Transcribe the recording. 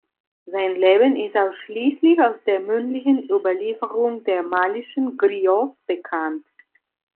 Sein Leben ist ausschließlich aus der mündlichen Überlieferung der malischen Griots bekannt.